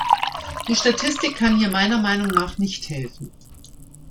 Die Statistik kann hier meiner Meinung nach nicht helfen.